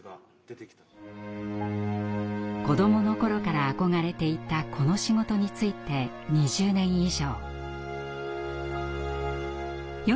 子どもの頃から憧れていたこの仕事に就いて２０年以上。